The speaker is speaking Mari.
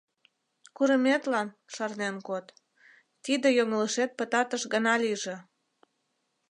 — Курыметлан шарнен код: тиде йоҥылышет пытартыш гана лийже!